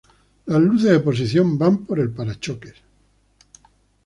Las luces de posición van por el parachoques.